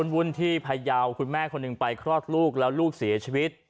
วุ่นที่พยาวคุณแม่คนหนึ่งไปคลอดลูกแล้วลูกเสียชีวิต